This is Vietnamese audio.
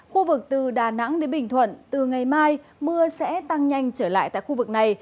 khu vực từ đà nẵng đến bình thuận từ ngày mai mưa sẽ tăng nhanh trở lại tại khu vực này